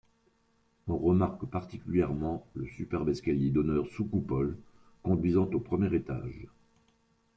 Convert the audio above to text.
On remarque particulièrement le superbe escalier d'honneur sous coupole conduisant au premier étage.